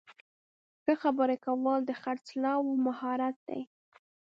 ښه خبرې کول د خرڅلاو مهارت دی.